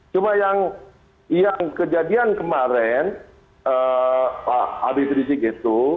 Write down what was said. cuma yang kejadian kemarin pak abis risik itu